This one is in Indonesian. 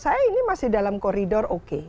saya ini masih dalam koridor oke